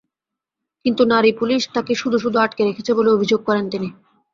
কিন্তু নারী পুলিশ তাঁকে শুধু শুধু আটকে রেখেছে বলে অভিযোগ করেন তিনি।